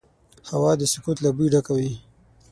هوا د سکوت له بوی ډکه وي